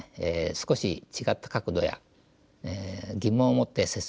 少し違った角度や疑問を持って接すると。